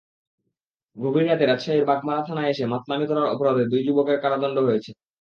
গভীর রাতে রাজশাহীর বাগমারা থানায় এসে মাতলামি করার অপরাধে দুই যুবকের কারাদণ্ড হয়েছে।